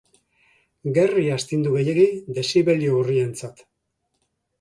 Gerri astindu gehiegi dezibelio urrientzat.